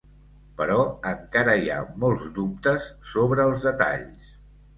Però encara hi ha molts dubtes sobre els detalls.